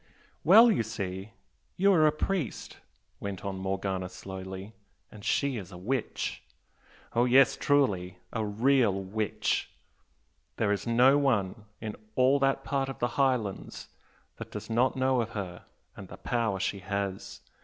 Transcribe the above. "Well, you see, you are a priest," went on Morgana, slowly, "and she is a witch. Oh yes, truly! a real witch! There is no one in all that part of the Highlands that does not know of her, and the power she has!